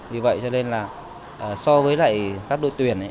vì vậy cho nên là so với lại các đội tuyển